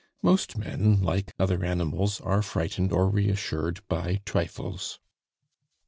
Most men, like other animals, are frightened or reassured by trifles.